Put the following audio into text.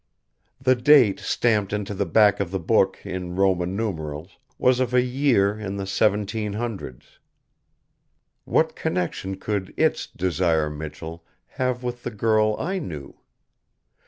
The date stamped into the back of the book in Roman numerals was of a year in the seventeen hundreds. What connection could its Desire Michell have with the girl I knew?